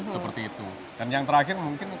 seperti itu dan yang terakhir mungkin